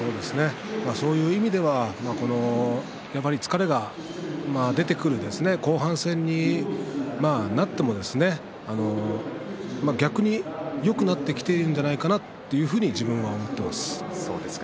そういう意味ではやはり疲れが出てくる後半戦になっても逆に、よくなってきているんじゃないかなというふうに自分は思っています。